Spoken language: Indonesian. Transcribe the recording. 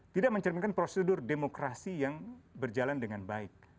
tidak mencerminkan prosedur demokrasi yang berjalan dengan baik